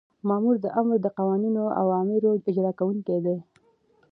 مامور د آمر د قانوني اوامرو اجرا کوونکی دی.